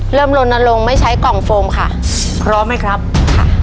ลนลงไม่ใช้กล่องโฟมค่ะพร้อมไหมครับค่ะ